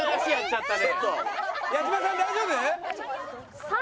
矢島さん大丈夫？